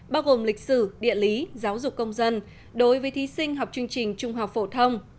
bao gồm lịch sử địa lý giáo dục công dân đối với thí sinh học chương trình trung học phổ thông